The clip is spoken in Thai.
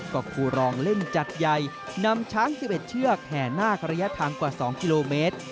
ก็ครูรองเล่นจัดใหญ่นำช้าง๑๑เชือกแห่นาคระยะทางกว่า๒กิโลเมตร